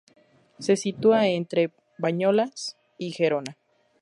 Se sitúa entre Bañolas y Gerona.